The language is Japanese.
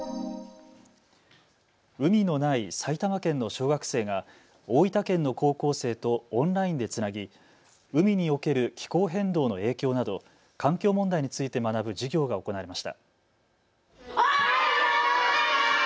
海のない埼玉県の小学生が大分県の高校生とオンラインでつなぎ、海における気候変動の影響など環境問題について学ぶ授業が行われました。